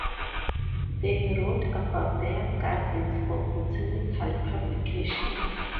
They wrote about their gardens for botanical publications.